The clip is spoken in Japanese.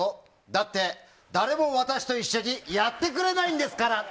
だって誰も私と一緒にやってくれないんですから。